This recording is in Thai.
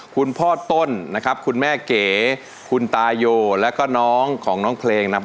คุณพ่อต้นนะครับคุณแม่เก๋คุณตายโยแล้วก็น้องของน้องเพลงนะครับ